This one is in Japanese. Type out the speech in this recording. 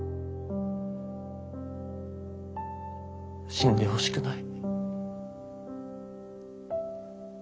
死んでほしくない。